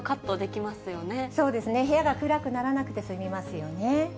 そうですね、部屋が暗くならなくて、済みますよね。